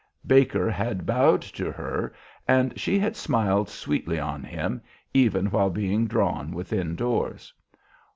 Baker had bowed to her and she had smiled sweetly on him, even while being drawn within doors.